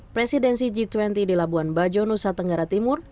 presidensi g dua puluh di labuan bajo nusa tenggara timur